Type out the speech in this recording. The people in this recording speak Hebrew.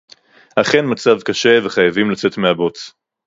אכן מצב קשה וחייבים לצאת מהבוץ